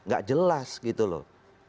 gak jelas gitu loh